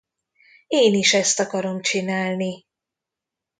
Én is ezt akarom csinálni!